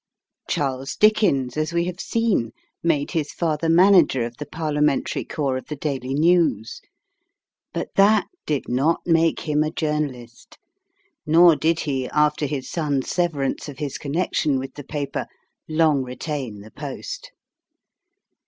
Charles Dickens, as we have seen, made his father manager of the Parliamentary Corps of the Daily News. But that did not make him a journalist, nor did he, after his son's severance of his connection with the paper, long retain the post.